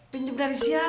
pinjem dari siapa